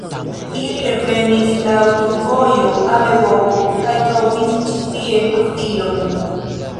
Ili revenis laŭ tiu vojo al Eŭropo kaj trovis ĉi tie azilon.